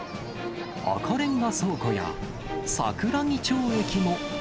赤レンガ倉庫や桜木町駅も。